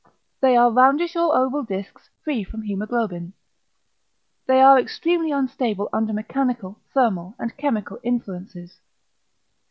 They are roundish or oval discs free from hæmoglobin. They are extremely unstable under mechanical, thermal, and chemical influences.